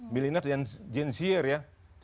millionaires yang jensier ya